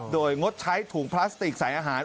โดยงดใช้ถุงพลาสติกใส่อาหาร